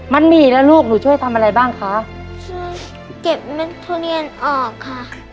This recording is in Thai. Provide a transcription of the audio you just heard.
หมี่นะลูกหนูช่วยทำอะไรบ้างคะช่วยเก็บเม็ดทุเรียนออกค่ะ